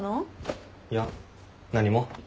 いや何も。